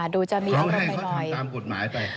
ดูจะมีอะไรไปเลย